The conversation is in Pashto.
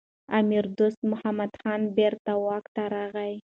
امیر دوست محمد خان بیرته واک ته راغی.